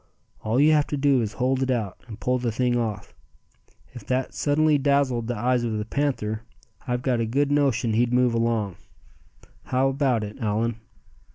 All you have to do is to hold it out, and pull the thing off. If that suddenly dazzled the eyes of the panther, I've got a good notion he'd move along. How about it, Allan?"